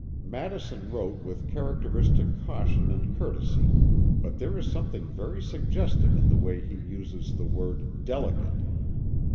Madison wrote with characteristic caution and courtesy but there is something very suggestive in the way he uses the word "delicate."